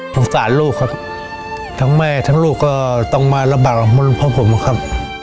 สงสารลูกครับทั้งแม่ทั้งลูกก็ต้องมาระบาดเพราะผมครับ